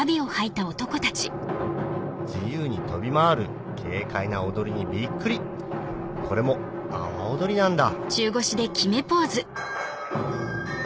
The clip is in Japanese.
自由に跳び回る軽快な踊りにびっくりこれも阿波おどりなんだ